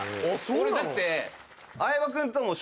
俺だって。